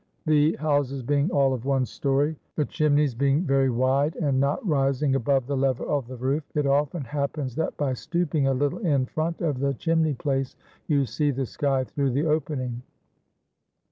The houses being all of one story, the chimneys being very wide and not rising above the level of the roof, it often happens that by stooping a little in front of the chimney place you see the sky through the opening.